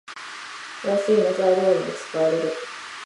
香水の材料にも使われる。